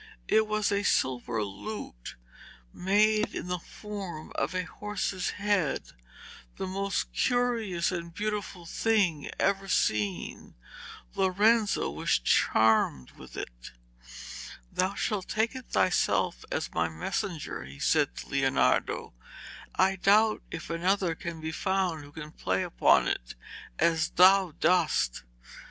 It was a silver lute, made in the form of a horse's head, the most curious and beautiful thing ever seen. Lorenzo was charmed with it. 'Thou shalt take it thyself, as my messenger,' he said to Leonardo. 'I doubt if another can be found who can play upon it as thou dost.'